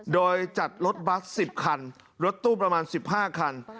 โดยจัดรถบัส๑๐คันรถตู้ประมาณ๑๕คัน